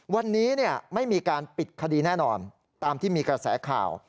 วันนี้ไม่มีการปิดคดีแน่นอนตามที่มีกระแสข่าว